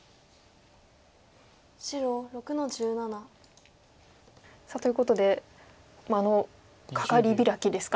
白６の十七。ということでカカリビラキですか？